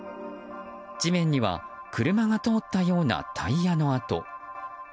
地面には車が通ったようなタイヤの跡。